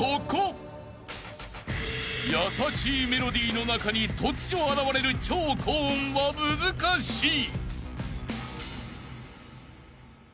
［優しいメロディーの中に突如現れる超高音は難しい］